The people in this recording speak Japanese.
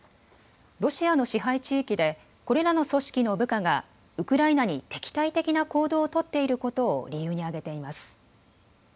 ロシアの支配地域でこれらの組織の部下がウクライナに敵対的な行動を取っていることを理由に挙げています。